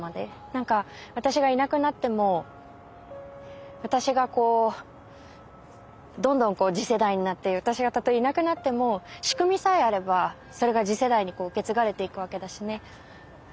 私がいなくなっても私がこうどんどん次世代になって私がたとえいなくなっても仕組みさえあればそれが次世代に受け継がれていくわけだしね。